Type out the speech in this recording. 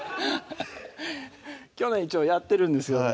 去年一応やってるんですけどね